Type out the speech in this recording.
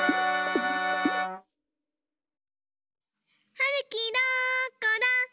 はるきどこだ？